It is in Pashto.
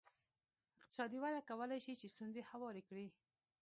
اقتصادي وده کولای شي چې ستونزې هوارې کړي.